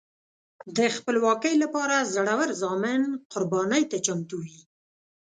د خپلواکۍ لپاره زړور زامن قربانۍ ته چمتو وي.